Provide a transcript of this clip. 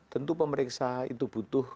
tentu pemeriksa itu butuh